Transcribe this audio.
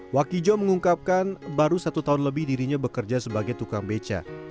wakijo mengungkapkan baru satu tahun lebih dirinya bekerja sebagai tukang beca